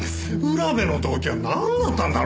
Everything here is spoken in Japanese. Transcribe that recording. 浦部の動機はなんだったんだろうな？